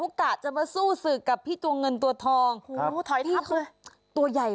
หุ้กได้จะมาสู้สึกกับผู้ตูงเงินตัวทองรู้ถอยเข้าใจตัวใหญ่มั้ย